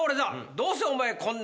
どうせお前こん